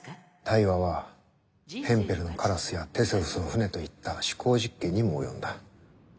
対話は「ヘンペルのカラス」や「テセウスの船」といった思考実験にも及んだ。